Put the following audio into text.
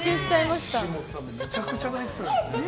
岸本さんもめちゃめちゃ泣いてた。